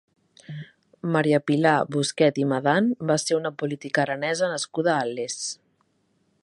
Maria Pilar Busquet i Medan va ser una política aranesa nascuda a Les.